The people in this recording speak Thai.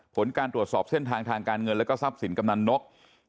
ผลการตรวจสอบเส้นทางทางการเงินแล้วก็ทรัพย์สินกำนันนก